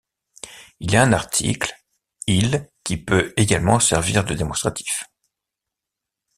Il y a un article, il qui peut également servir de démonstratif.